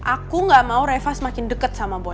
aku ga mau reva semakin deket sama boy